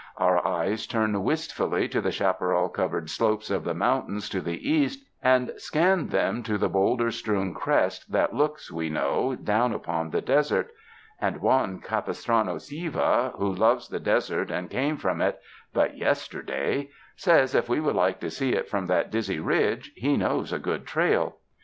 Our eyes turn wistfully to the chaparral covered slopes of the mountains to the east and scan them to the bowlder strewn crest that looks, we know, down upon the desert; and Juan Capistrano Siva, who loves the desert and came from it but yester day, says if we would like to see it from that dizzy ridge, he knows a good trail.